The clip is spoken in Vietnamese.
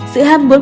bảy sự ham muốn